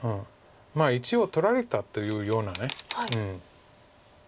一応取られたというような。